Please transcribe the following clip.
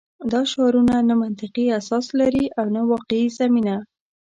دا شعارونه نه منطقي اساس لري او نه واقعي زمینه